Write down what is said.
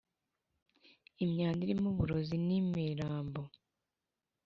imyanda irimo uburozi n’imirambo.